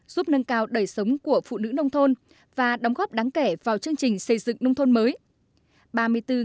giúp nâng cao đời sống của phụ nữ nông thôn và đóng góp đáng kể vào chương trình xây dựng nông thôn mới